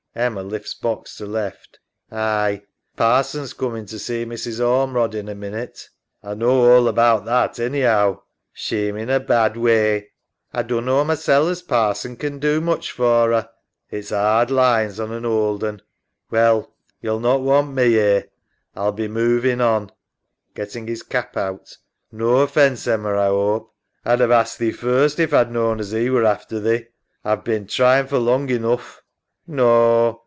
EMMA (lifts box to left). Aye. Parson's coomin' to see Mrs. Ormerod in a minute. SAM {with pride). A knaw all about that, anyhow. EMMA. She'm in a bad way. A dunno masel' as Parson can do much for 'er. SAM. It's 'ard lines on an ould un. Well, yo'U not want me 'ere. A'll be movin' on. {Getting his cap out) No offence, Emma, A 'ope. A'd 'ave asked thee first if A'd knawn as 'e were after thee. A've bin tryin' for long enough. EMMA. No.